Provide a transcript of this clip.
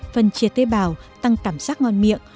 phần chia tế bào tăng cảm giác ngon miệng